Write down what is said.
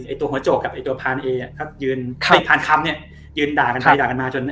ไอ้ตัวโฮจกไอ้ตัวพรานแอพรานครำยืนด่ากันไหล่มา